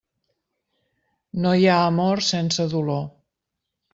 No hi ha amor sense dolor.